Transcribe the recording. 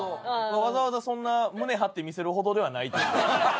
わざわざそんな胸張って見せるほどではないと。